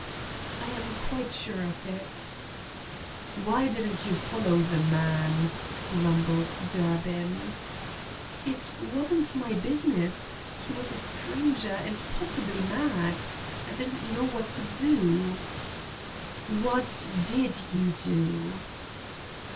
"I am quite sure of it." "Why didn't you follow the man?" grumbled Durbin. "It wasn't my business. He was a stranger and possibly mad. I didn't know what to do." "What did you do?"